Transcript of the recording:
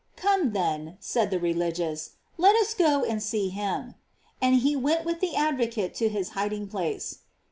"Come, then," said the religious, "let us go and •ee him:" and he went with the advocate to his hiding place.